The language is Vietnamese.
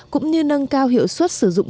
cũng như nâng cao hiệu suất sử dụng